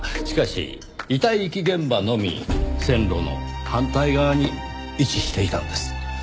しかし遺体遺棄現場のみ線路の反対側に位置していたんです。